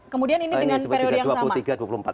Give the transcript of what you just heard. kemudian ini dengan periode yang sama